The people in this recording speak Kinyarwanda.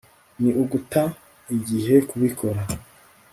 ni uguta igihe kubikora